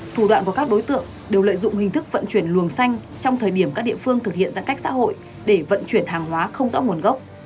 thủ đoạn của các đối tượng đều lợi dụng hình thức vận chuyển luồng xanh trong thời điểm các địa phương thực hiện giãn cách xã hội để vận chuyển hàng hóa không rõ nguồn gốc